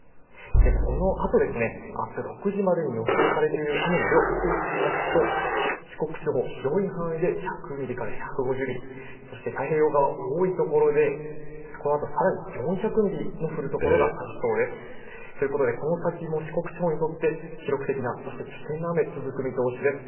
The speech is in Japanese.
このあと、あす６時までに予想されている雨の量、見ていきますと、四国地方、広い範囲で１００ミリから１５０ミリ、そして太平洋側、多い所でこのあとさらに４００ミリ降る所がありそうです。ということでこの先も四国地方にとって、記録的なそして危険な雨、続く見通しです。